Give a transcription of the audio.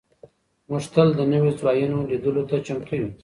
موږ تل د نویو ځایونو لیدلو ته چمتو یو.